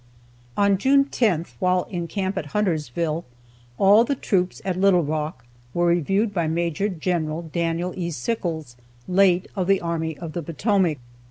On June 10th, while in camp at Huntersville, all the troops at Little Rock were reviewed by Maj. Gen. Daniel E. Sickles, late of the Army of the Potomac.